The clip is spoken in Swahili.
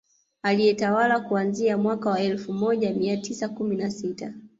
Aliyetawala kuanzia mwaka wa elfu moja mia tisa kumi na sita